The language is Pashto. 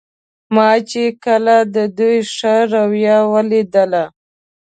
ما چې کله د دوی ښه رویه ولیدله.